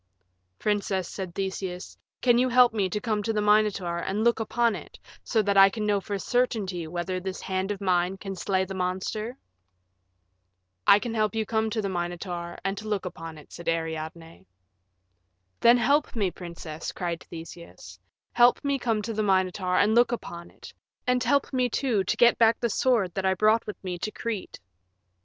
"Princess," said Theseus, "can you help me to come to the Minotaur and look upon it so that I can know for certainty whether this hand of mine can slay the monster?" "I can help you to come to the Minotaur and look upon it," said Ariadne. "Then help me, princess," cried Theseus; "help me to come to the Minotaur and look upon it, and help me, too, to get back the sword that I brought with me to Crete."